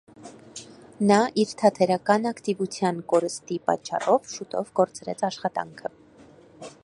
Նա իր թատերական ակտիվության կորստի պատճառով շուտով կորցրեց աշխատանքը։